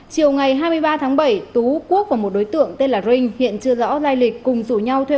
chiều ngày hai mươi ba tháng bảy tú quốc và một đối tượng tên là rinh hiện chưa rõ lai lịch cùng rủ nhau thuê